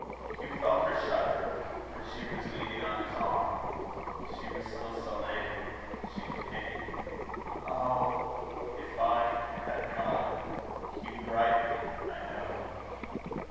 Hugh felt her shudder, for she was leaning on his arm, she was still so lame. She continued: "Oh! if I had a God, he would right me, I know."